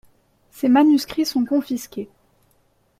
Ses manuscrits sont confisqués.